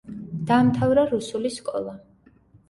დაამთავრა რუსული სკოლა.